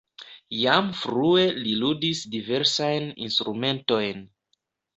Jam frue li ludis diversajn instrumentojn.